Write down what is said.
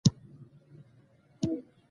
او ارزښت ټاکل کېږي.